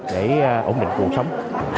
để ổn định cuộc sống